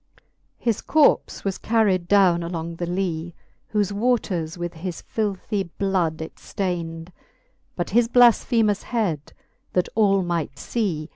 XIX. His corps was carred downe along the Lee, Whoie waters with his filrhy bloud it ftayned : But his bhiShem* head, that all might fee.